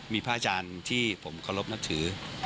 มีพระอาจารย์ที่ผมเคารพนับถือ